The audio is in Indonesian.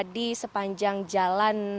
di sepanjang jalan